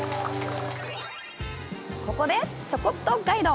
ここで「ちょこっとガイド」。